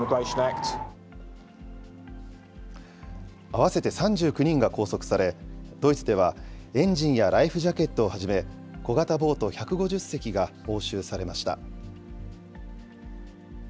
合わせて３９人が拘束され、ドイツでは、エンジンやライフジャケットをはじめ、小型ボート１５０隻が押収されました。